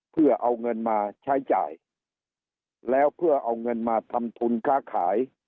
เพื่อเอาเงินมาใช้จ่ายแล้วเพื่อเอาเงินมาทำทุนค้าขาย